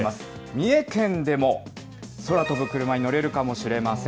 三重県でも空飛ぶクルマに乗れるかもしれません。